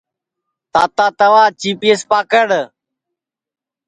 تاتا توا چیپئیس پکڑ